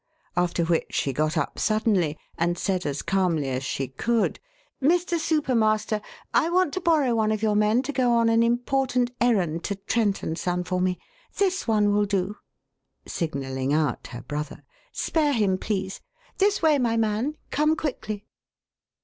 After which she got up suddenly, and said as calmly as she could: "Mr. Super Master, I want to borrow one of your men to go on an important errand to Trent & Son for me. This one will do," signalling out her brother. "Spare him, please. This way, my man come quickly!"